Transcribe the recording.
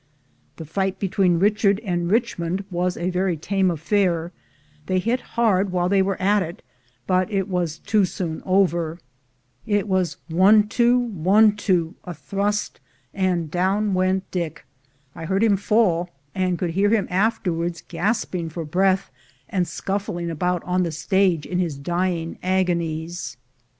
The fight between Richard and Richmond was a very tame affair; they hit hard while they were at it, but it was too soon over. It was one 184 THE GOLD HUNTERS two, one two, a thrust, and down went Dick. I heard him fall, and could hear him afterwards gasp ing for breath and scuffling about on the stage in his dying agonies.